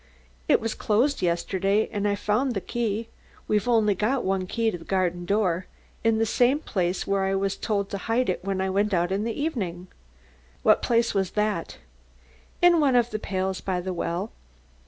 It was closed yesterday and I found the key we've only got one key to the garden door in the same place where I was told to hide it when I went out in the evening." "What place was that?" "In one of the pails by the well."